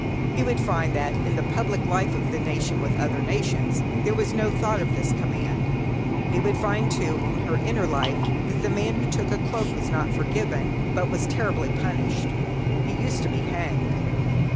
He would find that in the public life of the nation with other nations there was no thought of this command. He would find, too, in her inner life, that the man who took a cloak was not forgiven, but was terribly punished he used to be hanged.